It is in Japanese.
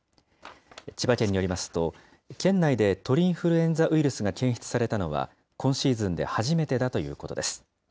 千葉県によりますと、県内で鳥インフルエンザウイルスが検出されたのは、今シーズンで初めてだということです。